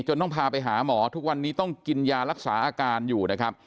ต้องพาไปหาหมอทุกวันนี้ต้องกินยารักษาอาการอยู่นะครับ